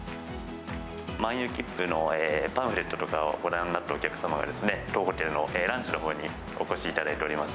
漫遊きっぷのパンフレットとかをご覧になったお客様がですね、当ホテルのランチのほうにお越しいただいております。